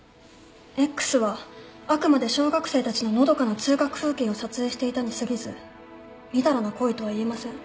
Ｘはあくまで小学生たちののどかな通学風景を撮影していたにすぎずみだらな行為とはいえません。